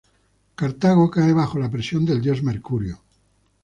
Cartago cae bajo la presión del dios Mercurio.